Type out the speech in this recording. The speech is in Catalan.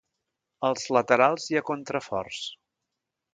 Als laterals hi ha contraforts.